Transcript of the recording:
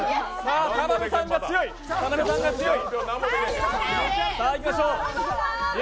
田辺さんが強い！